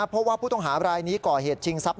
เพราะว่าผู้ต้องหาบรายนี้ก่อเหตุชิงทรัพย